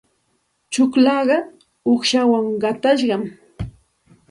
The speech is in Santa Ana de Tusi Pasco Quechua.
Tsullaaqa uuqshawan qatashqam.